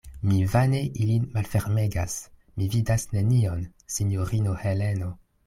Mi vane ilin malfermegas; mi vidas nenion, sinjorino Heleno.